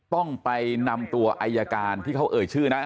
ต้องไปนำตัวอายการที่เขาเอ่ยชื่อนะ